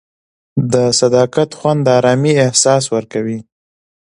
د صداقت خوند د ارامۍ احساس ورکوي.